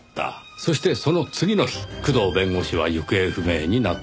そしてその次の日工藤弁護士は行方不明になっている。